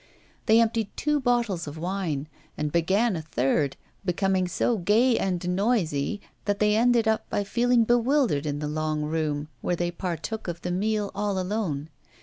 They emptied two bottles of wine, and began a third, becoming so gay and noisy that they ended by feeling bewildered in the long room, where they partook of the meal all alone.